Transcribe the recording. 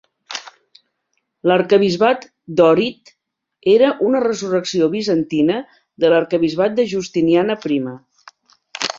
L'arquebisbat d'Ohrid era una resurrecció bizantina de l'arquebisbat de Justiniana Prima.